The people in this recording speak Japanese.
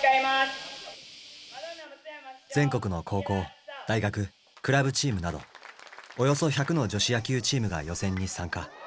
全国の高校大学クラブチームなどおよそ１００の女子野球チームが予選に参加。